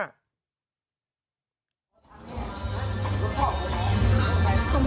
โอลั่งรถ